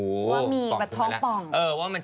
ว่ามีท้องป่อง